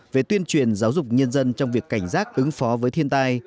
về tuyên truyền giáo dục nhân dân trong việc cảnh giác ứng phó với thiên tai